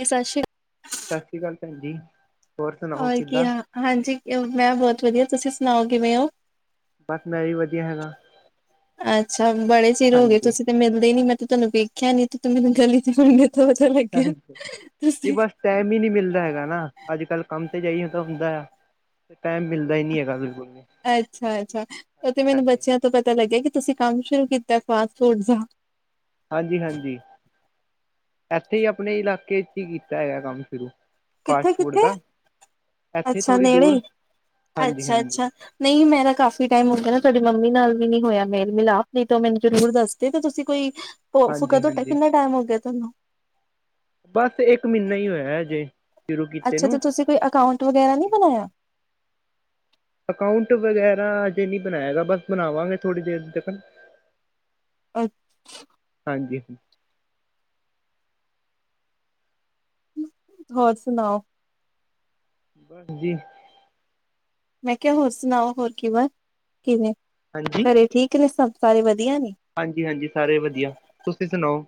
ਇਹ ਸ ਸ਼ੇ [unintelligible] ਸਸ ਸ਼੍ਰੀ ਕਾਲ ਭੈਣਜੀ। ਹੋਰ ਕੀ ਹਾਂ ਹਾਂਜੀ ਮੈਂ ਬੋਤ ਵਧੀਆ ਤੁਸੀਂ ਸੁਨਾਓ ਕਿਵੇਂ ੳ। ਬਸ ਮੈਂ ਵੀ ਵਧੀਆ ਹੈਗਾ। ਅੱਛਾ ਬੜੇ ਚਿਰ ਹੋ ਗਏ ਹਾਂਜੀ ਤੁਸੀਂ ਤੇ ਮਿਲਦੇ ਨੀ ਮੈਂ ਤੇ ਤੁਹਾਨੂੰ ਵੇਖਿਆ ਨੀ ਤੇ ਤੂੰ ਮੈਨੂੰ ਗਲੀ ਚ ਬ ਪਤਾ ਲੱਗਿਆ ਹਾਂਜੀ ਤੇ ਤੁਸੀਂ ਬਸ ਟਾਈਮ ਈ ਨੀ ਮਿਲਦਾ ਹੈਗਾ ਨਾ, ਅੱਜ ਕੱਲ੍ਹ ਕੰਮ ਤੇ ਜਾਈਏ ਤਾਂ ਹੁੰਦਾ ਆ ਟੈਮ ਮਿਲ ਅੱਛਾ-ਅੱਛਾ ਉ ਤੇ ਮੈਨੂੰ ਹਾਂਜੀ ਬੱਚਿਆਂ ਤੋਂ ਪਤਾ ਲੱਗਿਆ ਕਿ ਤੁਸੀਂ ਕੰਮ ਸ਼ੁਰੂ ਕੀਤਾ ਫਾਸਟ ਫੂਡ ਦਾ। ਹਾਂਜੀ-ਹਾਂਜੀ ਐਥੇ ਈ ਪਨੇ ਇਲਾਕੇ ਚ ਈ ਕੀਤਾ ਹੈਗਾ ਕੰਮ ਸ਼ੁਰੂ। ਫਾਸਟ ਫੂਡ ਕਿੱਥੇ-ਕਿੱਥੇ ਦਾ ਇੱਥੇ ਅੱਛਾ ਥੋੜ੍ਹੀ ਨੇੜੇ ਦੂਰ ਈ, ਹਾਂਜੀ ਹਾਂਜੀ ਅੱਛਾ-ਅੱਛਾ। ਨਈ ਮੇਰਾ ਕਾਫੀ ਟੈਮ ਹੋ ਗਿਆ ਨਾ ਤੁਹਾਡੀ ਮੰਮੀ ਨਾਲ ਵੀ ਨੀ ਹੋਇਆ ਮੇਲ ਮਿਲਾਪ, ਨਈ ਤੇ ਮੈਨੂੰ ਜਰੂਰ ਦੱਸਦੇ ਤੇ ਤੁਸੀਂ ਕੋਈ ਉ ਫੁੱਕਾ ਹਾਂਜੀ ਤੁਹਾਡਾ ਹਾਂਜੀ ਕਿੰਨਾ ਟਾਈਮ ਹੋ ਗਿਆ ਤੁਆਨੂੰ। ਬਸ ਏਕ ਮੀਨਾ ਈ ਹੋਇਆ ਹਜੇ। ਅੱਛਾ ਤੇ ਤੁਸੀਂ ਕੋਈ ਅਕਾਊਂਟ ਵਗੈਰਾ ਨੀ ਹਾਂਜੀ ਹਾਂਜੀ ਬਨਾਇਆ। ਅਕਾਊਂਟ ਵਗੈਰਾ ਅਜੇ ਨੀ ਬਨਾਆ ਹੈਗਾ, ਬਸ ਬਨਾਵਾਂਗੇ ਥੋੜੀ ਦੇਰ ਤੀਕਨ। ਅੱ ਹਾਂਜੀ। ਹੋਰ ਸੁਨਾਓ। ਹਾਂਜੀ ਮੈਂ ਕਿਹਾ ਹੋਰ ਸੁਣਾਓ ਹੋਰ ਕਿ ਵ ਕਿਵੇਂ ਹਾਂਜੀ ਘਰੇ ਠੀਕ ਨੇ ਸਭ ਸਾਰੇ ਵਧੀਆ ਨੇ ਹਾਂਜੀ ਹਾਂਜੀ ਸਾਰੇ ਵਧੀਆ ਤੁਸੀਂ ਸੁਣਾਓ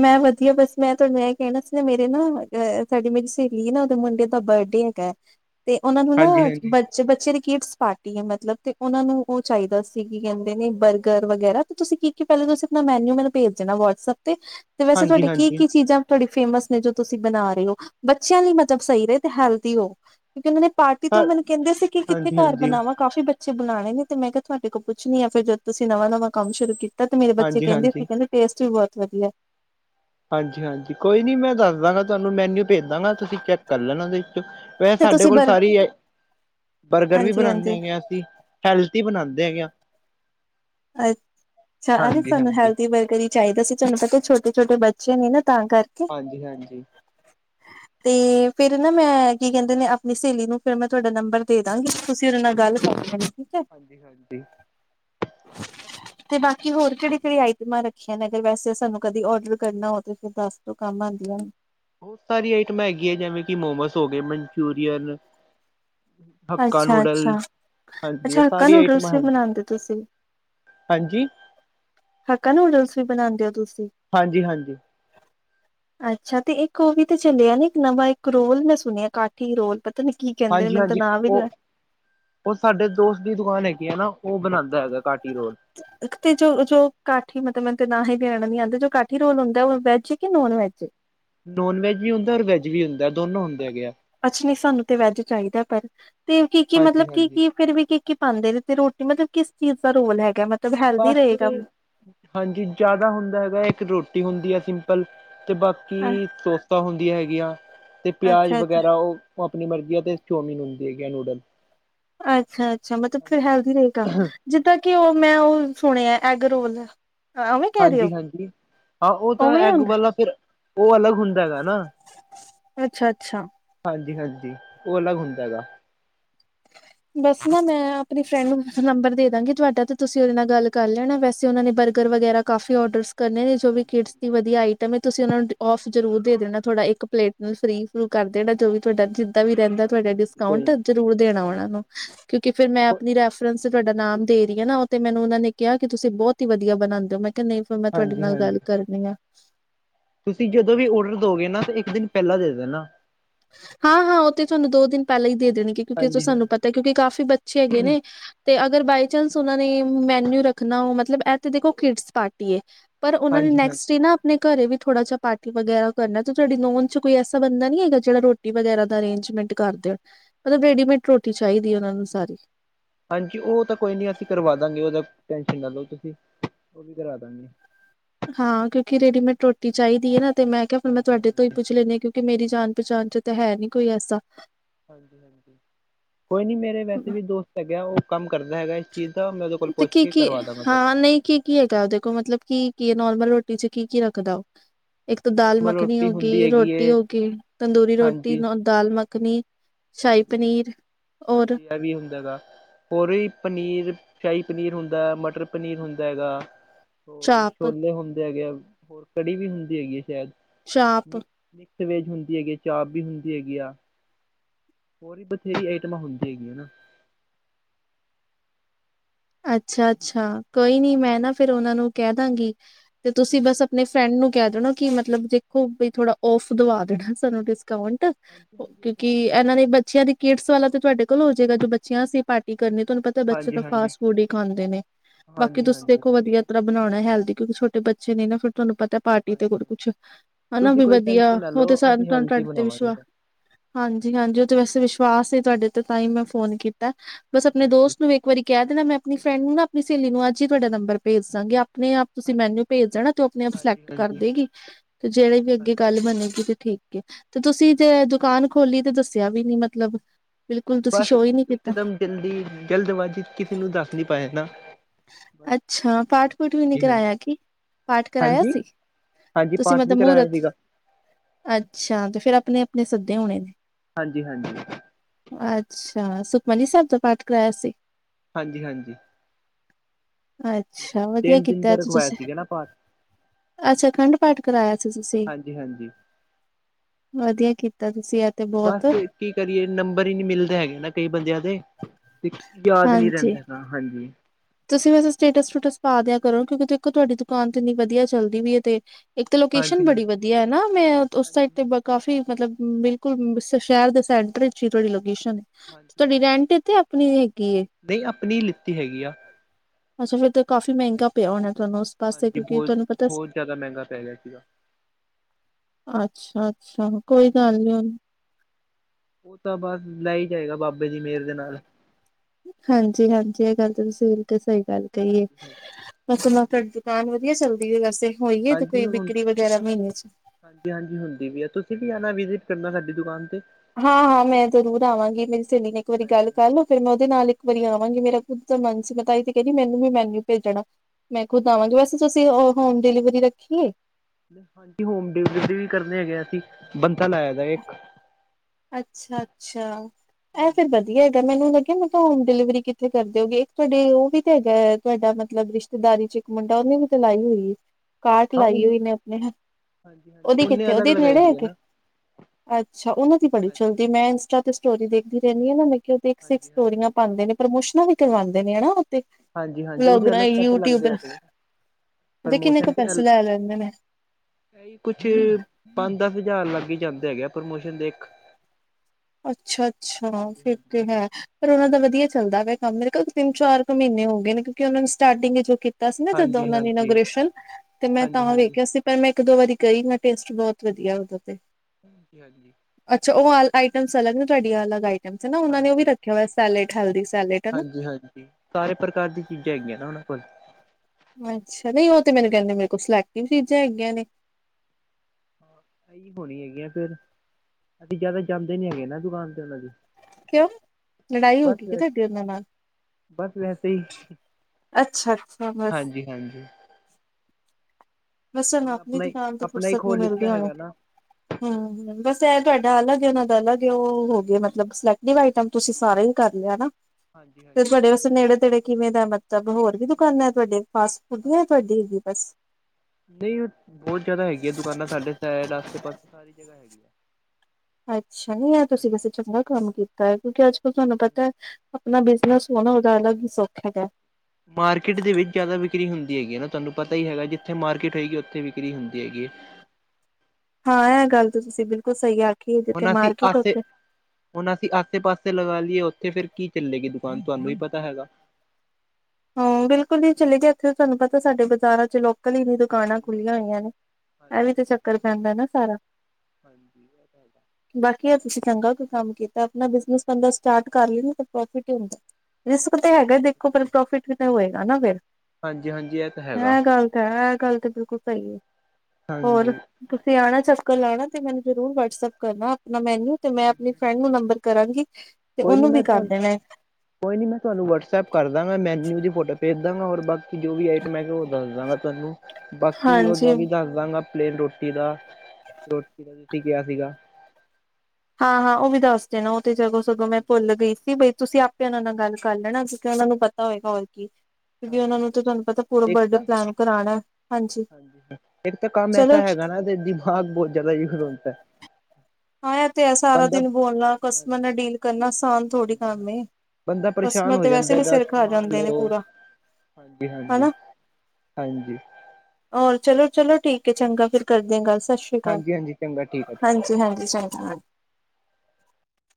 ਮੈਂ ਵਧੀਆ ਬਸ ਮੈਂ ਤਾਨੂੰ ਇਹ ਕਹਿਣਾ ਸੀ ਨਾ ਮੇਰੇ ਨਾ ਅ ਸਾਡੀ ਮੇਰੀ ਸਹੇਲੀ ਸੀ ਨਾ ਉਹਦੇ ਮੁੰਡੇ ਦਾ ਬਰਡੇ ਐ ਕੈਸ ਤੇ ਉਹਨਾਂ ਨੂੰ ਨਾ ਹਾਂਜੀ ਹਾਂਜੀ ਬਦ ਜੇ ਬੱਚੇ ਦੀ ਕਿਡਸ ਪਾਰਟੀ ਐ ਮਤਲਬ ਤੇ ਉਨਾ ਨੂੰ ਉਹ ਚਾਹੀਦਾ ਸੀ ਕਹਿੰਦੇ ਨੇ ਬਰਗਰ ਵਗੈਰਾ ਤੇ ਤੁਸੀਂ ਕੀ ਕਿ ਪਹਿਲੇ ਤੁਸੀਂ ਆਪਣਾ ਮੈਨਿਊ ਮੈਨੂੰ ਭੇਜ ਦੇਣਾ ਵਟਸਐਪ ਤੇ ਵੈਸੇ ਹਾਂਜੀ ਤੁਹਾਡੇ ਕੀ ਹਾਂਜੀ ਕੀ ਚੀਜ਼ਾਂ ਤੁਹਾਡੀ ਫੇਮਸ ਨੇ ਜੋ ਤੁਸੀਂ ਬਣਾ ਰਹੇ ਓ ਬੱਚਿਆਂ ਲਈ ਮਤਲਬ ਸਹੀ ਰਹੇ ਤੇ ਹੈਲਦੀ ਹੋ ਕਿਉਂਕਿ ਉਹਨਾਂ ਦੇ ਪਾਰਟੀ ਹਾਂ ਤੋਂ ਉਹ ਮੈਨੁੰ ਕਹਿੰਦੇ ਸੀ ਕਿੱਥੇ ਹਾਂਜੀ ਹਾਂਜੀ ਘਰ ਬਣਾਵਾਾਂ ਹਾਂਜੀ ਕਾਫ਼ੀ ਬੱਚੇ ਬੁਲਾਣੇ ਨੇ ਤੇ ਮੈਂ ਕਿਹਾ ਤੁਹਾਡੇ ਕੋਲ ਪੁੱਛਣੀ ਆ ਫੇਰ ਜਦ ਤੁਸੀਂ ਨਵਾਂ ਨਵਾਂ ਕੰਮ ਸ਼ੁਰੂ ਕੀਤਾ ਤਦ ਤੇ ਮੇਰੇ ਬੱਚੇ ਕਹਿੰਦੇ ਸੀ ਹਾਂਜੀ ਕਹਿੰਦੇ ਟੇਸਟ ਵੀ ਬਹੁਤ ਵਧੀਆ ਐ ਹਾਂਜੀ ਹਾਂਜੀ ਕੋਈ ਨਹੀ ਮੈਂ ਦੱਸ ਦਾਂਗਾ ਤੁਹਾਨੂੰ ਮੈਨਿਊ ਭੇਜ ਦਾਂਗਾ ਤੁਸੀਂ ਚੈੱਕ ਕਰ ਲੈਣਾ ਐਦੇ ਵਿੱਚੋਂ ਵੈ ਹੈ ਤੇ ਸਾਡੇ ਤੁਸੀਂ ਕੋਲ ਬਰ ਸਾਰੀ ਹੈ ਬਰਗਰ ਵੀ ਹਾਂਜੀ ਬਣਾਦੇ ਹਾਂਜੀ ਹੈਗੇ ਜੀ ਹੈਲਦੀ ਬਣਾਦੇ ਹੈਗੇ ਆ ਐ ਅੱਛਾ ਆ ਨੀ ਹਾਂਜੀ ਸਾਨੂੰ ਹਾਂਜੀ ਹੈਲਦੀ ਬਰਗਰੀ ਈ ਚਾਹੀਦਾ ਸੀ ਤੁਹਾਨੂੰ ਪਤਾ ਛੋਟੇ ਛੋਟੇ ਬੱਚੇ ਨੇ ਨਾ ਤਾਂ ਕਰਕੇ ਹਾਂਜੀ ਹਾਂਜੀ ਤੇ ਫੇਰ ਨਾ ਮੈਂ ਕੀ ਕਹਿੰਦੇ ਨੇ ਆਪਣੀ ਸਹੇਲੀ ਨੂੰ ਫਿਰ ਮੈਂ ਤੁਹਾਡਾ ਨੰਬਰ ਦੇ ਦਾਂਗੀ ਤੁਸੀਂ ਉਹਦੇ ਨਾਲ ਗੱਲ ਕਰਲੇਣੀ ਠੀਕ ਐ ਜੀ ਹਾਂਡੀ ਈ ਤੇ ਬਾਕੀ ਹੋਰ ਕਿਹੜੀ ਕਿਹੜੀਆਂ ਆਈਟਮਾਂ ਰੱਖੀਆਂ ਨੇ ਅਗਰ ਵੈਸੇ ਸਾਨੂੰ ਕਦੇ ਔਡਰ ਕਰਨਾ ਹੋ ਤੇ ਫਿਰ ਦਸ ਤੋਂ ਕੰਮ ਆਦੀਆਂ ਨੇ ਬਹੁਤ ਸਾਰੀ ਆਈਟਮ ਹੈਗੀ ਐ ਜਿਵੇਂ ਕਿ ਮੋਮੋਸ ਹੋ ਗਏ ਮਨਚੂਰੀਅਨ ਹੱਕਾ ਅੱਛਾ-ਅੱਛਾ, ਨੂਡਲ ਅੱਛਾ ਹਾਂਜੀ ਇਹ ਸਾਰੀ ਆਈਟਮਾਂ ਹੈ ਗੀਆ ਹੁਣ ਤੇ ਤੁਸੀਂ ਹਾਂਜੀ ਈ ਹੱਕਾ ਆ ਨੂਡਲਸ ਵੀ ਬਣਾਉਂਦੇ ਹੋ ਤੁਸੀਂ ਹਾਂਜੀ ਹਾਂਜੀ ਅੱਛਾ ਤੇ ਇੱਕ ਉਹ ਵੀ ਤੇ ਚੱਲਿਆ ਨੀ ਇੱਕ ਨਵਾਂ ਇੱਕ ਰੋਲ ਮੈਂ ਸੁਣਿਆ ਕਾਠੀ ਰੋਲ ਪ ਪਤਾ ਨੀ ਕੀ ਕਹਿੰਦੇ ਨੇ ਹਾਂਜੀ ਮੈਨੂੰ ਤੇ ਹਾਂਜੀ ਨਾਂ ਵੀ ਉਹ ਲਿਆ ਉਹ ਸਾਡੇ ਦੋਸਤ ਦੀ ਦੁਕਾਨ ਹੈਗੀ ਐ ਨਾ ਉਹ ਬਣਾਉਂਦਾ ਹੈਗਾ ਕਾਟੀ ਰੋਡ ਇੱਕ ਤੇ ਜੋ ਜੋ ਕਾਠੀ ਮੇਨੂੰ ਮਤ ਨਾ ਹੀ ਲਿਆਣ ਨੀ ਆਦੋ ਏ ਜੋ ਕਾਠੀ ਰੋਲ ਹੁੰਦਾ ਐ ਉਹ ਵੈਜ ਐ ਕਿ ਨੋਨ ਵੈੱਜ ਐ ਨੋਨ ਵੈੱਜ ਵੀ ਹੁੰਦਾ ਐ ਔਰ ਵੈੱਜ ਵੀ ਹੁੰਦਾ ਐ ਦੋਨੋਂ ਹੁੰਦੇ ਹੈਗੇ ਆ ਅੱਛਾ ਨੀ ਸਾਨੂੰ ਤੇ ਵੈਜ ਚਾਹੀਦਾ ਪਰ ਤੇਵ ਕੀ ਕੀ ਹਾਂਜੀ ਮਤਲਬ ਕੀ ਹਾਂਜੀ ਕੀ ਫਿਰ ਵੀ ਕੀ ਕੀ ਪਾਦੇ ਨੇ ਤੇ ਰੋਟੀ ਮਤਲਬ ਕਿਸ ਚੀਜ਼ ਦਾ ਰੋਲ ਹੈਗਾ ਐ ਮ ਪਾਸਤਰ ਹਾਂਜੀ ਜਿਆਦਾ ਹੁੰਦਾ ਹੈਗਾ ਇੱਕ ਰੋਟੀ ਹੁੰਦੀ ਏ ਸਿੰ ਕੱਲ ਤੇ ਅ ਬਾਕੀ ਸੋਸਾ ਹੁੰਦੀਆਂ ਹੈਗੀਆਂ ਤੇ ਪਿਆਜ ਅੱਛਾ ਅੱਛਾ ਵਗੈਰਾ ਉਹ ਆਪਣੀ ਮਰਜ਼ੀ ਆ ਤੇ ਚੋਮੀਨ ਹੁੰਦੀ ਹੈਗੀ ਆ ਨੂਡਲ ਅੱਛਾ ਅੱਛਾ ਮਤਲ ਫਿਰ ਹਾਂਜੀ ਹੈਲਦੀ ਹਾਂਜੀ ਰਹੇਗਾ ਜਿੱਦਾਂ ਕਿ ਉਹ ਮੈਂ ਉਹ ਸੁਣਿਆ ਐਗ ਰੋਲ ਨੇ ਹਾਂਜੀ ਹਾਂਜੀ ਹਾਂ ਉਹ ਤਾਂ ਉਵੇਂ ਹੀ ਐਗ ਹੁੰਦਾ ਵਾਲਾ ਫਿਰ ਉਹ ਅਲੱਗ ਹੁੰਦਾ ਹੈਗਾ ਨਾ ਅੱਛਾ ਅੱਛਾ ਹਾਂਜੀ ਹਾਂਜੀ ਉਹ ਅਲੱਗ ਹੁੰਦਾ ਹੈਗਾ ਐ ਬਸ ਨਾ ਮੈਂ ਆਪਣੀ ਫਰੈਂਡ ਨੂੰ ਨੰਬਰ ਦੇ ਦਾਂਗੀ ਤੁਹਾਡਾ ਤੇ ਤੁਸੀਂ ਉਹਦੇ ਨਾਲ ਗੱਲ ਕਰ ਲੈਣਾ ਵੈਸੇ ਉਹਨਾਂ ਨੇ ਬਰ ਬਗਰ ਵਗੈਰਾ ਕਾਫੀ ਔਡਰ ਕਰਨੇ ਨੇ ਜੋ ਵੀ ਹਾਂਜੀ ਕਿਡਸ ਦੀ ਹਾਂਜੀ ਵਧੀਆ ਆਈ ਤਾਂ ਮੀ ਤੁਸੀਂ ਉਹਨਾਂ ਨੂੰ ਔਫ ਜ਼ਰੂਰ ਦੇਣਾ ਤੁਹਾਡਾ ਇੱਕ ਪਲੇਟ ਨੂੰ ਫਰੀ ਫਰੂ ਕਰ ਦੇਣਾ ਜੋ ਵੀ ਤੁਹਾਡਾ ਜ ਜਿਨਾ ਵੀ ਰੇਂਦਾ ਤੁਹਾਡਾ ਹਾਂਜੀ ਹਾਂਜੀ ਕੋਈ ਡਿਸਕਾਊਂਟ ਜ਼ਰੂਰ ਦੇਣਾ ਹਾਂਜੀ ਉਹਨਾਂ ਨੇ। ਕਿਉਂਕਿ ਫਿਰ ਮੈਂ ਆਪਣੀ ਰੈਫਰੰਸ ਚ ਤੁਹਾਡਾ ਨਾਮ ਦੇ ਰਹੀ ਹਨਾ, ਤੇ ਮੈਨੂੰ ਉਹਨਾ ਨੇ ਕੇਆ ਕਿ ਤੁਸੀਂ ਬੋਤ ਬੋਤ ਈ ਵਧੀਆ ਬਣਾਉਂਦੇ ਹੋ, ਮੈਂ ਕੇਆ ਨਈ ਫਿਰ ਮੈਂ ਤੁਹਾਡੇ ਹਾਂਜੀ ਨਾਲ ਹਾਂਜੀ ਗੱਲ ਕਰਨੀ ਆ। ਤੁਸੀਂ ਜਦੋਂ ਵੀ ਔਡਰ ਦੋਗੇ ਨਾ ਤੇ ਇੱਕ ਦਿਨ ਪੇਲਾਂ ਦੇ ਦੇਣਾ। ਹਾਂ -ਹਾਂ ਓ ਤੇ ਤੁਹਾਨੂੰ ਦੋ ਦਿਨ ਪੇਲੇ ਹੀ ਦੇ ਦੇਣੇਗੇ, ਕਿਉਂਕਿ ਹਾਂਜੀ ਹਾਂ ਸਾਨੂੰ ਪਤਾ ਆ ਕਿਉਂਕਿ ਕਾਫ਼ੀ ਬੱਚੇ ਹੈਗੇ ਨੇ ਤੇ ਅਗਰ ਹਾਂਜੀ। ਬਾਈ ਚਾਂਸ ਓਨਾ ਨੇ ਮੈਨਿਊ ਰੱਖਣਾ ਮਤਲਬ ਏ ਤੇ ਦੇਖੋ ਕਿਡਸ ਪਾਰਟੀ ਐ। ਪਰ ਓਨਾਂ ਨੇ ਹਾਂਜੀ ਨੈਕਸ ਡੇ ਨਾ ਓਨਾ ਨੇ ਘਰੇ ਵੀ ਥੋੜਾ ਜੇਆ ਪਾਰਟੀ ਵਗੈਰਾ ਕਰਨਾ ਤੇ ਤੁਹਾਡੀ ਨੋਨ ਚ ਕੋਈ ਐਸਾ ਬੰਦਾ ਨੀ ਹੈਗਾ? ਜੇੜਾ ਰੋਟੀ ਵਗੈਰਾ ਦਾ ਅਰੇਂਜਮੈਂਟ ਕਰਦੇ ਮਤਲਬ ਰੇਡੀਮੇਡ ਰੋਟੀ ਚਾਈਦੀ ਏ ਓਨਾਂ ਨੂੰ ਹਾਂਜੀ ਸਾਰੀ। ਹਾਂਜੀ ਓ ਤਾਂ ਕੋਈ ਨੀ ਅਸੀਂ ਕਰਵਾਦਾਂਗੇ ਓਦਾ ਟੈਨਸ਼ਨ ਨਾ ਲਓ ਤੁਸੀਂ ਓ ਵੀ ਕਰਵਾਦਾਂਗੇ। ਹਾਂ ਕਿਉਂਕਿ ਰੈਡੀਮੈਟ ਰੋਟੀ ਚਾਈਦੀ ਹੈ ਨਾ ਤੇ ਮੈਂ ਕੇਆ ਫਿਰ ਮੈਂ ਹਾਂਜੀ ਤੁਆਡੇ ਤੋਂ ਈ ਹਾਂਜੀ ਪੁੱਛ ਲੈਂਦੀ ਕਿ ਕਿ ਮੇਰੀ ਜਾਣ ਪਚਾਣ ਚੋ ਤਾਂ ਹੈ ਨਈ ਕੋਈ ਐਸਾ। ਹਾਂਜੀ -ਹਾਂਜੀ ਕੋਈ ਨੀ ਮੇਰੇ ਵੈਸੇ ਵੀ ਦੋਸਤ ਹੈਗਾ ਓ ਕੰਮ ਕਰਦਾ ਹੈਗਾ ਇਸ ਚੀਜ਼ ਦਾ ਮੈਂ ਓਦੇ ਕੋਲ ਪੁੱਛ ਕੇ ਕਰਵਾਦਾਗਾ ਕੱਲ। ਨਈ ਕੀ ਕੀ ਹੈਗਾ ਓਦੇ ਕੋਲ ਮਤਲਬ ਕੀ- ਕੀ ਨੋਰਮਲ ਰੋਟੀ ਚ ਕੀ-ਕੀ ਰੱਖਦਾ ਓ? ਇੱਕ ਤਾਂ ਦਾਲ ਨੋਰਮਲ ਮੱਖਣੀ ਰੋਟੀ ਹੋ ਹੁੰਦੀ ਗਈ, ਹੈਗੀ ਰੋਟੀ ਏ ਹੋ ਗਈ, ਤੰਦੂਰੀ ਰੋਟੀ ਹਾਂਜੀ ਨਾਲ ਦਾਲ ਮੱਖਣੀ ਸ਼ਾਈ ਪਨੀਰ ਔਰ? ਓਵੀ ਹੁੰਦਾ ਹੈਗਾ ਹੋਰ ਜੀ ਪਨੀਰ, ਸ਼ਾਈ ਪਨੀਰ ਹੁੰਦਾ, ਮਟਰ ਪਨੀਰ ਹੁੰਦਾ ਹੈਗਾ ਹੋਰ ਚਾਪ ਛੋਲੇ ਹੁੰਦੇ ਹੈਗੇ ਆ, ਹੋਰ ਕੜੀ ਵੀ ਹੁੰਦੀ ਹੈਗੀ ਆ ਚਾਪ ਸ਼ਾਏਦ--ਮਿ ਮਿਕਸ ਵੈਜ ਹੁੰਦੀ ਹੈਗੀ ਆ, ਚਾਪ ਵੀ ਹੁੰਦੀ ਹੈਗੀ ਆ ਹੋਰ ਵੀ ਬਥੇਰੀ ਆਈਟਮਾਂ ਹੁੰਦੀ ਹੈਗੀਆਂ ਨਾ। ਅੱਛਾ-ਅੱਛਾ ਕੋਈ ਹਾਂਜੀ ਨੀ ਹਾਂਜੀ ਮੈਂ ਨਾ ਫਿਰ ਓਨਾਂ ਨੂੰ ਕੈ ਦਾਂਗੀ ਫੇਰ ਤੁਸੀਂ ਬਸ ਆਪਣੇ ਫਰੈਂਡ ਨੂੰ ਕੈ -ਦੋ -ਨਾ ਕੀ ਮਤਲਬ ਦੇਖੋ ਬਈ ਥੋੜਾ ਔਫ ਦਵਾ ਦੇਣਾ ਸਾਨੂੰ ਡਿਸਕਾਊਂਟ ਹਾਂਜੀ ਹਾਂਜੀ ਉਹ ਕਿਉਂਕਿ ਤਾਂ ਏਨਾਂ ਨੇ ਬੱਚੇਆਂ ਦੀ ਕਿਡਸ ਵਾਲਾ ਤੇ ਤੁਹਾਡੇ ਕੋਲ ਹੋ ਜਾਏਗਾ, ਜੋ ਬੱਚੇਆਂ ਅਸੀਂ ਪਾਰਟੀ ਕਰਨੀ ਤੁਆਨੂੰ ਪਤਾ ਬੱਚੇ ਹਾਂਜੀ ਤਾਂ ਹਾਂਜੀ ਫਾਸਟ ਫੂਡ ਈ ਖਾਂਦੇ ਨੇ ਬਾਕੀ ਹਾਂਜੀ ਤੁਸੀਂ ਹਾਂਜੀ ਦੇਖੋ ਵਧੀਆ ਤਰ੍ਹਾਂ ਬਣਾਉਣਾ ਹੈਲਦੀ, ਕਿਉਂਕਿ ਛੋਟੇ ਬੱਚੇ ਨੇ ਨਾ ਫਿਰ ਤੁਆਨੂੰ ਪਤਾ ਪਾਰਟੀ ਤੇ ਸਭ ਹਾਂਜੀ ਕੁਛ ਹੋਨਾ ਤੁਸੀਂ ਵੀ ਕੋਈ ਵਧੀਆ ਟੈਨਸ਼ਨ ਨਾ ਉਹ ਤੇ ਲਓ ਸਾਰਾ ਅਸੀਂ ਹੁਨ ਹੈਲਥੀ ਤੁਆਡੇ ਤੇ ਬਣਾਵਾਂਗੇ ਵਿਸ਼ਵਾਸ ਸਰ ਹਾਂਜੀ- ਹਾਂਜੀ ਓ ਤੇ ਵੈਸੇ ਵਿਸ਼ਵਾਸ ਸੀ ਤੁਹਾਡੇ ਤੇ ਤਾਂ ਈ ਮੈਂ ਫ਼ੋਨ ਕੀਤਾ ਬਸ ਆਪਣੇ ਹਾਂਜੀ ਦੋਸਤ ਨੂੰ ਵੀ ਇੱ ਇੱਕ ਵਾਰੀ ਕੈ ਦੇਨਾ ਮੈਂ ਆਪਣੀ ਫਰੈਂਡ ਨੂੰ ਨਾ ਆਪਣੀ ਸੇਲੀ ਨੂੰ ਅੱਜ ਈ ਤੁਆਡਾ ਨੰਬਰ ਭੇਜ ਦਾਂਗੀ ਆਪਣੇ ਆਪ ਤੁਸੀਂ ਹਾਂਜੀ ਮੈਨਿਊ ਭੇਜ ਦੇਣਾ ਤੇ ਓ ਆਪਣੇ ਆਪ ਹਾਂਜੀ ਸਿਲੈਕਟ ਕਰ ਹਾਂਜੀ ਹਾਂਜੀ ਦੇਗੀ ਤੇ ਜੇੜੀ ਵੀ ਅੱਗੇ ਹਾਂਜੀ ਗੱਲ ਬਣੇਗੀ ਤੇ ਠੀਕ ਤੇ ਤੁਸੀਂ ਜੇ ਹਾਂਜੀ ਦੁਕਾਨ ਖੋਲੀ ਤੇ ਦੱਸਿਆ ਵੀ ਨੀ ਮਤਲਬ ਬਿਲਕੁਲ ਤੁਸੀਂ ਬਸ ਸ਼ੋਅ ਈ ਨਈ ਕੀਤਾ? ਇਕਦਮ ਜਲਦੀ ਜਲਦਬਾਜ਼ੀ ਚ ਕਿਸੇ ਨੂੰ ਦੱਸ ਨੀ ਪਾਏਆ ਨਾ ਹਾਂਜੀ ਅੱਛਾ ਪਾਠ ਪੂਠ ਵੀ ਨੀ -ਹਾਂਜੀ- ਕਰਾਇਆ ਕੀ ਪਾਠ ਕਰਾਇਆ ਹਾਂਜੀ। ਸੀ ਹਾਂਜੀ ਤੁਸੀਂ ਪਾਠ ਵੀ ਮਤਲਬ ਮਹੂਰਤ ਕਰਾਏਆ ਸੀਗਾ। ਅੱਛਾ ਤੇ ਫੇਰ ਆਪਣੇ-ਆਪਣੇ ਸੱਦੇ ਹੋਣੇ ਨੇ? ਹਾਂਜੀ- ਹਾਂਜੀ। ਅੱਛਾ, ਸੁਖਮਨੀ ਸਾਬ ਦਾ ਪਾਠ ਕਰਾਏਆ ਸੀ? ਹਾਂਜੀ -ਹਾਂਜੀ। ਅੱਛਾ ਵਧੀਆ ਤਿੰਨ ਦਿਨ ਕੀਤਾ ਦਾ ਜੀ ਰਖਵਾਇਆ ਤੁਸੀਂ, ਸੀਗਾ ਨਾ ਪਾਠ ਅੱਛਾ ਅਖੰਡ ਪਾਠ ਕਰਾਏਆ ਸੀ ਤੁਸੀਂ? ਹਾਂਜੀ- ਹਾਂਜੀ। ਵਧੀਆ ਕੀਤਾ ਤੁਸੀਂ ਏ ਬਸ ਕੀ ਕਰੀਏ ਨੰਬਰ ਈਂ ਨੀਂ ਮਿਲਦੇ ਹੈਗੇ ਨਾ, ਕਈ ਬੰਦੇਆਂ ਦੇ। ਤੇ ਯਾਦ ਨੀਂ ਹਾਂਜੀ। ਰੈਂਦਾ ਹੈਗਾ, ਹਾਂਜੀ। ਤੁਸੀਂ ਵੈਸੇ ਸਟੇਟਸ-ਸਟੂਟਸ ਪਾ ਦਿਆ ਕਰੋ ਕਿਉਂਕਿ ਦੇਖੋ, ਤੁਆਡੀ ਦੁਕਾਨ ਤੇ ਏਨੀ ਵਧੀਆ ਚਲਦੀ ਵੀ ਏ ਤੇ ਏਕ ਤੇ ਲੋਕੇਸ਼ਨ ਬੜੀ ਹਾਂਜੀ-ਹਾਂਜੀ ਵਧੀਆ ਹੈਨਾ। ਮੈਂ ਓਸ ਸਾਈਡ ਤੇ ਹਾਂਜੀ-ਹਾਂਜੀ-ਹਾਂਜੀ ਕਾਫੀ ਮਤਲਬ ਬਿਲ ਸ਼ੈਰ ਦੇ ਸੈਂਟਰ ਵਿੱਚ ਈ ਤੁਆਡੀ ਲੋਕੇਸ਼ਨ। ਤੁਆਡੀ ਰੈਂਟ ਉਤੇ ਐ, ਅਪਨੀ ਹੈਗੀ? ਨਈਂ ਅਪਨੀ ਲਿੱਤੀ ਹੈਗੀ ਆ। ਅੱਛਾ, ਫੇਰ ਤਾਂ ਕਾਫੀ ਮੈਂ ਪੇਆ ਹੋਣਾ, ਤੁਆਨੂੰ ਓਸ ਪਾਸ, ਹਾਂਜੀ ਕਿਉਕਿ ਤੁਆਨੂੰ ਪਤਾ- ਬਹੁਤ-ਬਹੁਤ ਜ਼ਿਆਦਾ ਮਹਿੰਗਾ ਪੈ ਗਿਆ ਸੀਗਾ ਅੱਛਾ-ਅੱਛਾ, ਕੋਈ ਗੱਲ ਨੀ ਓ ਤਾ ਬਸ ਲੈਈ ਜਾਏਗਾ, ਬਾਬੇ ਦੀ ਮੇਹਰ ਦੇ ਨਾਲ। ਹਾਂਜੀ-ਹਾਂਜੀ, ਐ ਗੱਲ ਤਾਂ ਤੁਸੀਲ ਕੇ ਸਈਗੱਲ ਕਈਏ। ਹਾਂਜੀ-ਹਾਂਜੀ ਹਾਂਜੀ ਦੁਕਾਨ ਵਧੀਆ ਚੱਲਦੀ ਏ ਵੈਸੇ, ਹੋਈਏ ਤੇ ਹਾਂਜੀ ਹਾਂਜੀ ਕੋਈ ਹੁਣ ਬੀਕਰੀ ਵਗੈਰਾ ਮੀਨੇ 'ਚ। ਹਾਂਜੀ-ਹਾਂਜੀ ਹੁੰਦੀ ਵੀ ਐ। ਤੁਸੀ ਵੀ ਆਨਾ, ਵਿਜਿਟ ਕਰਨਾ ਸਾਡੀ ਦੁਕਾਨ ਤੇ। ਹਾਂ-ਹਾਂ ਮੈ ਜਰੂਰ ਆਵਾਂਗੀ। ਮੇਰੀ ਸਹੇਲੀ ਨੇ ਇਕ ਵਾਰੀ ਗੱਲ ਹਾਂਜੀ-ਹਾਂਜੀ-ਹਾਂਜੀ ਕਰ ਲੋ, ਫੇਰ ਮੈ ਓਦੇ ਨਾਲ ਇਕ ਵਾਰੀ ਆਵਾਂਗੀ। ਮੇਰਾ [unintelligible] ਤੇ ਕੈਂਦੀ ਮੈਨੂੰ ਵੀ ਮੈਨਯੂ ਭੇਜਣਾ। ਮੈ ਖੁਦ ਆਵਾਂਗੀ ਹਾਂਜੀ ਵੈਸੇ, ਤੁਸੀ ਹੋਮ ਡਿਲੀਵਰੀ ਰਖੀਏ? ਹਾਂਜੀ, ਹੋਮ ਡਿਲੀਵਰੀ ਵੀ ਕਰਨੇ ਹੈਗੇਆ ਅਸੀ, ਬੰਦਾ ਲਾਇਆ ਦਾ ਇਕ। ਅੱਛਾ-ਅੱਛਾ, ਐ ਤੇ ਹਾਂਜੀ ਵਧੀਆ। ਤਾਂ ਮੈਨੂੰ ਲਗੇਆ ਮਤਲਬ ਹੋਮ ਡਿਲੀਵਰੀ ਕਿਥੇ ਕਰਦੇ ਓਗੇ। ਇਕ ਤੁਆਡੇ ਓ ਵੀ ਤੇ ਹੈਗਾ, ਤੁਆਡਾ ਮਤਲਬ ਰਿਸ਼ਤਾ- ਤੇਦਾਰੀ 'ਚ ਇਕ ਮੁੰਡਾ, ਓਨੇ ਵੀ ਤੇ ਲਾਈ ਹੋਈਏ। ਕਾਰਟ ਹਾਂ ਲਾਈ ਉਹ ਹੋਈ ਨੇ ਅਪਨੇ। ਹਾਂਜੀ ਹਾਂਜੀ ਓਦੀ ਉਹਨੇ ਕਿਥੇ ਐ, ਅਲੱਗ ਓਦੇ ਲਗਾਈ ਨੇੜੇ ਦੀ ਹੈ ਹੈਕੇ? ਨਾ ਅੱਛਾ, ਓਨਾਂ ਦੀ ਬੜੀ ਹਾਂਜੀ ਚਲਦੀ। ਮੈ ਇੰਸਟਾ ਤੇ ਸਟੋਰੀ ਦੇਖਦੀ ਰੈਨੀ ਆ ਨਾ ਮੈ ਕੇਯਾ ਓ ਤੇ ਏਕ ਤੋਂ ਏਕ ਹਾਂਜੀ ਸਟੋਰੀਆਂ ਹਾਂਜੀ ਪਾਂਦੇ ਨੇ। ਪ੍ਰਮੋਸ਼ਨਾਂ ਵੀ ਕਰਵਾਂਦੇ ਨੇ, ਹਨਾ। ਹਾਂਜੀ-ਹਾਂਜੀ, ਓਦੇ ਵਲੋਗਰਾਂ ਅਲਗ ਪੈਸੇ ਲਗਦੇ ਆ। ਯੂਟਿਊਬਰਾਂ ਪਤਾ ਕਿੰਨੇ ਪ੍ਰਮੋਸ਼ਨ ਕੁ ਤੇ ਪੈਸੇ ਲੈ ਲੈਂਦੇ ਨੇ। ਕੁਛ- ਪੰਜ-ਦਸ ਹਜਾਰ ਲਗ ਈ ਜਾਦੇ ਹੈਗੇ ਆ, ਪ੍ਰਮੋਸ਼ਨ ਦੇ ਇਕ। ਅੱਛਾ-ਅੱਛਾ, ਹਾਂਜੀ ਫੇਰ ਹਾਂਜੀ ਤੇ ਹੈ। ਪਰ ਓਨਾ ਦਾ ਵਧੀਆ ਚਲਦਾ ਪਿਆ ਕੰਮ ਮੇਰੇ ਖਿਆਲ ਤਿੰਨ-ਚਾਰ ਕੁ ਮਹੀਨੇ ਹੋ ਗਏ ਨੇ, ਕਿਉਕਿ ਓਨਾ ਨੇ ਸਟਾਰਟਿੰਗ ਜੋ- ਕੀਤਾ ਸੀ ਨਾ ਜਦੋ, ਹਾਂਜੀ ਓਨਾ ਨੇ ਹਾਂਜੀ ਈਨੋਗ੍ਰੇਸ਼ਨਲ ਤੇ ਮੈ ਹਾਂਜੀ ਹਾਂਜੀ ਤਾਂ ਵੇਖਿਆ ਸੀ। ਪਰ ਮੈ ਇਕ-ਦੋ ਵਾਰੀ ਗਈ, ਮੈਂ ਕੇਯਾ ਟੇਸਟ ਬੋਤ ਵਧੀਆ ਓਦਾ ਤੇ। [inaudible] ਅੱਛਾ, ਓ ਆਈਟਮਸ ਅਲਗ ਨੇ ਤੁਆਡੀਆਂ ਅਲਗ ਆਈਟਮਸ ਨਾ, ਓਨਾਂ ਨੇ ਓਵੀ ਰਖਿਆ ਹੋਯਾ, ਸੈਲੇਡ ਹੈਲਦੀ ਸੈਲਡ। ਹਨਾ। ਹਾਂਜੀ-ਹਾਂਜੀ, ਸਾਰੇ ਪ੍ਰਕਾਰ ਦੀ ਚੀਜਾ ਹੈਗੀਆਂ ਨਾ ਓਨਾ ਕੋਲ। ਅੱਛਾ, ਨਈਂ ਓ ਤੇ ਮੇਨੂੰ ਹਾਂਜੀ ਕੈਂਦੇ ਕੋਲ ਸੈਲੈਕਟੀਟ ਚੀਜਾ ਹੈਗੀਆਂ ਨੇ। ਐਹੀ ਹੋਣੀ ਹੈਗੀ ਆ ਫੇਰ, ਅਸੀ ਜਾਦਾ ਜਾਦੇ ਨੀ ਹੈਗੇ ਨਾ ਦੁਕਾਨ ਤੇ ਓਨਾ ਦੀ। ਕਯੋ, ਲੜਾਈ ਬਸ ਹੋਗੀ ਕੇ ਵੈਸ ਤੁਆਡੀ ਓਨਾ ਨਾਲ? ਬਸ ਵੈਸੇ ਈ, ਅੱਛਾ-ਅੱਛਾ ਬਸ ਹਾਂਜੀ-ਹਾਂਜੀ। ਬਸ, ਤੁਆਨੁ ਹੁਣ ਅਪਨੀ ਆਪਣਾ ਹੀ ਦੁਕਾਨ ਤੋ ਆਪਣਾ ਹੀ ਫੂਰਸਤ ਨ ਖੋਲ ਮਿਲਦੀ ਲਿੱਤਾ ਹੋਣੀ। ਹੈਗਾ ਨਾ ਹੂੰ ਹਾ, ਬਸ ਐ ਹਾਂਜੀ ਤੁਆਡਾ ਅਲਗ ਏ ਓਨਾ ਦਾ ਅਲਗ, ਓ ਹੋ ਗਯਾ ਹਾਂਜੀ ਹਾਂਜੀ ਮਤਲਬ ਸੈਕਟ- ਜਿਵੇੰ ਆਈਟਮ ਤੁਸੀ ਸਾਰਾ ਈ ਕਰ ਲੇਆ ਨਾ, ਹਾਂਜੀ ਤੇ ਹਾਂਜੀ ਤੁਆਡੇ ਵਾਸਤੇ ਨੇੜੇ- ਤੇੜੇ ਕਿਵੇ ਦੈ ਮਤਲਬ- ਹੋਰ ਵੀ ਦੁਕਾਨਾਂ ਏ ਤੁਆਡੇ, ਫਾਸਟ ਫੂਡ ਨੀਂ ਐ ਤੁਆਡੀ ਹੈਗੀ ਬਸ? ਨਈਂ ਬੋਤ ਜਾਦਾ ਹੈਗੀਆਂ, ਦੁਕਾਨਾ ਸਾਡੇ ਸੈਡ ਆਸੇ-ਪਾਸੇ ਸਾਰੀ ਜਗ੍ਹਾ ਹੈਗੀਆ ਨੇ। ਅੱਛਾ, ਨੀ ਐ ਤੁਸੀ ਵੈਸੇ ਚੰਗਾ ਕਮ ਕੀਤਾ ਐ, ਕਿਉਕਿ ਅੱਜ-ਕੱਲ ਤੁਆਨੂੰ ਪਤਾ ਐ ਅਪਨਾ ਬਿਜਨਸ ਹੋਏ ਨਾਂ, ਓਦਾ ਅਲਗ ਹੀ ਸੁਖ ਹੈਗਾ। ਮਾਰਕੀਟ ਦੇ ਵਿਚ ਜਾਦਾ ਵਿਕਰੀ ਹੁੰਦੀ ਹੈਗੀ ਐਨਾ, ਤੁਆਨੂੰ ਪਤਾ ਈ ਹੈਗਾ ਜਿਥੇ ਮਾਰਕੀਟ ਰਏਗੀ, ਓਥੇ ਵਿਕਰੀ ਹੁੰਦੀ ਹੈਗੀ ਏ। ਹਾਂ, ਐ ਗੱਲ ਤੇ ਤੁਸੀ ਬਿਲਕੁਲ ਸਈ ਆਖੀ। ਹੈ ਜਿੱਥੇ ਹੁਣ ਅਸੀ, ਮਾਰਕੀਟ ਆਸੇ ਉੱਥੇ ਹੁਣ ਅਸੀ ਆਸੇ-ਪਾਸੇ ਲਗਾ ਲੀਏ ਉਥੇ ਫੇਰ ਕੀ ਚੱਲੇਗੀ ਦੁਕਾਨ, ਤੁਹਾਨੂੰ ਈ ਪਤਾ ਹੈਗਾ। ਹਾਂ ਬਿਲਕੁਲ ਨੀ ਚਲੇਗੀ, ਇਥੇ ਤੁਹਾਨੂੰ ਪਤਾ ਸਾਡੇ ਬਜਾਰਾਂ 'ਚ ਲੋਕਲ ਈ ਨਹੀ ਦੁਕਾਨਾ ਹਾਂਜੀ ਹਾਂਜੀ ਖੁੱਲੀਆਂ ਹੋਈਆਂ ਨੇ, ਐ ਵੀ ਹਾਂਜੀ ਤੇ ਹਾਂਜੀ ਚਕਰ ਪੈਂਦਾ ਨਾ ਸਾਰਾ। ਹਾਂਜੀ ਇਹ ਤਾਂ ਹੈਗਾ ਬਾਕੀ ਆ ਤੁਸੀ ਚੰਗਾ ਕੋਈ ਕੰਮ ਕੀਤਾ, ਅਪਣਾ ਬਿਜਨਸ ਬੰਦਾ ਸਟਾਰਟ ਕਰਲੇ ਨਾ, ਫਿਰ ਪ੍ਰੌਫਿਟ ਹੀ ਹੁੰਦਾ। ਰਿਸਕ ਤੇ ਹੈਗਾ ਹਾਂਜੀ ਦੇਖੋ, ਫਿਰ ਪ੍ਰੌਫਿਟ ਵੀ ਤਾਂ ਹੋਏਗਾ ਨਾ ਫਿਰ। ਹਾਂਜੀ-ਹਾਂਜੀ, ਇਹ ਤਾ ਹੈਗਾ। ਐ ਗੱਲ ਤੇ ਬਿਲਕੁਲ ਸਹੀ ਏ, ਹੋਰ? ਹਾਂਜੀ ਤੁਸੀ ਆਣਾ, ਚਕਰ ਲਾਣਾ ਤੇ ਮੈਨੂੰ ਜਰੂਰ ਵਟਸਐਪ ਕਰਨਾ ਆਪਣਾ ਮੈਨਿਊ, ਤੇ ਮੈ ਆਪਣੀ ਹਾਂਜੀ ਫਰੈਡ ਨੂੰ ਨੰਬਰ ਕਰਾਂਗੀ ਤੇ ਕੋਈ ਨੀ ਉਹਨੂੰ ਮੈ ਵੀ ਕਰ ਤੁਹਾਨ, ਦੇਣਾ ਕੋਈ ਨੀ ਮੈ ਤੁਹਾਨੂੰ ਵਟਸਐਪ ਕਰਦਾਂਗਾ ਮੈਨਿਊ ਦੀ ਫੋਟੋ। ਭੇਜਦਾਂਗਾ, ਹੋਰ ਬਾਕੀ ਜੋ ਵੀ ਆਈਟਮ ਹੈਗਾ ਉਹ ਦੱਸ ਦਾਂਗਾ ਤੁਹਾਨੂੰ, ਬਾਕੀ ਹਾਂਜੀ ਉਹਦਾ ਵੀ ਦੱਸ ਆਂ ਪਲੇਨ ਰੋਟੀ ਦਾ, ਰੋਟੀ ਦਾ ਤੁਸੀਂ ਕਿਹਾ ਸੀਗਾ। ਹਾਂ-ਹਾਂ, ਉਹ ਵੀ ਦੱਸ ਦੇਣਾ, ਉਹ ਤੇ ਜਗੋਂ ਸਗੋਂ ਮੈਂ ਹਾਂਜੀ ਭੁੱਲ ਹਾਂਜੀ ਗਈ ਸੀ ਬਈ ਤੁਸੀਂ ਆਪ ਉਹਨਾਂ ਨਾਲ ਗੱਲ ਕਰ ਲੈਣਾ, ਕਿਉਂਕਿ ਉਹਨਾਂ ਨੂੰ ਪਤਾ ਹੋਏਗਾ ਹੋਰ ਕੀ। ਕਿਉਕਿ ਉਹਨਾਂ ਹਾਂਜੀ ਨੂੰ ਤਾਂ ਹਾਂਜੀ ਤੁਹਾਨੂੰ ਪਤਾ ਪੂਰਾ ਇੱਕ ਬਡੇ ਤਾਂ ਪਲੈਨ ਕਰਾਣਾ, ਹਾਂਜੀ, ਇੱਕ ਤਾਂ ਕੰਮ ਚਲੋ ਐਸਾ ਹੈਗਾ ਨਾ ਦਿਮਾਗ ਬਹੁਤ ਜ਼ਿਆਦਾ ਯੂਜ ਹੁੰਦਾ। ਹਾਂ, ਐ ਤੇ ਹੈ, ਸਾਰਾ ਬੰਦਾ ਦਿਨ ਬੋਲਣਾ, ਕਸਟਮਰ ਹਾਂਜੀ ਨਾਲ ਡੀਲ ਕਰਨਾ ਅਸਾਨ ਥੋੜ੍ਹੀ ਹਾਂਜੀ ਕੰਮ ਹਾਂਜੀ ਏ, ਬੰਦਾ ਪਰੇਸ਼ਾਨ ਕਸਟਮਰ ਹੋ ਤੇ ਵੈਸੇ ਵੀ ਸਿਰ ਖਾ ਜਾਂਦੇ ਨੇ ਪੂਰਾ। ਹਾਂਜੀ-ਹਾਂਜੀ, ਹਨਾ। ਹਾਂਜੀ। ਹੋਰ ਚਲੋ, ਚਲੋ ਠੀਕ ਏ, ਚੰਗਾ ਫੇਰ ਕਰਦੇ ਆਂ ਗੱਲ, ਸਸ਼ ਹਾਂਜੀ-ਹਾਂਜੀ, ਚੰਗਾ ਠੀਕ ਹੈ ਠੀਕ। ਹਾਂਜੀ, ਹਾਂਜੀ [unintelligible]